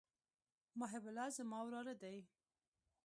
محب الله زما وراره دئ.